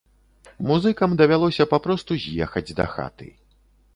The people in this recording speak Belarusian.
Музыкам давялося папросту з'ехаць дахаты.